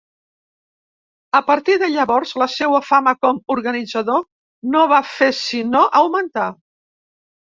A partir de llavors, la seua fama com organitzador no va fer sinó augmentar.